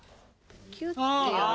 キュッてやる。